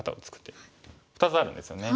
手２つあるんですよね。